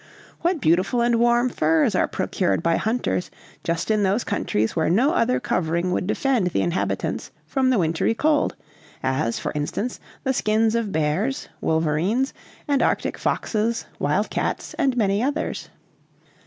What beautiful and warm furs are procured by hunters just in those countries where no other covering would defend the inhabitants from the wintery cold! as, for instance, the skins of bears, wolverines, and arctic foxes, wild cats, and many others."